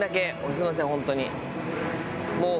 すいませんホントに。